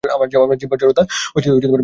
আমার জিহ্বার জড়তা দূর করে দাও।